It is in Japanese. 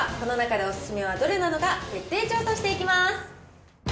それではこの中でお勧めはどれなのか、徹底調査していきます。